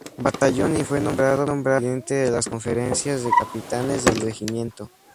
Batallón y fue nombrado presidente de las Conferencias de Capitanes del Regimiento.